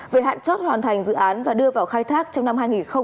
về hạn chót hoàn thành dự án và đưa vào khai thác trong năm hai nghìn hai mươi